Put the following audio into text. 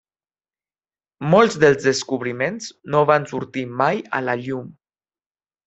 Molts dels descobriments no van sortir mai a la llum.